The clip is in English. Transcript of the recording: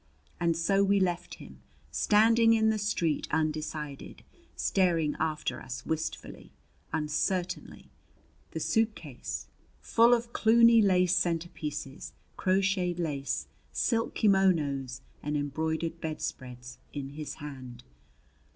And so we left him, standing in the street undecided, staring after us wistfully, uncertainly the suitcase, full of Cluny lace centerpieces, crocheted lace, silk kimonos, and embroidered bedspreads, in his hand.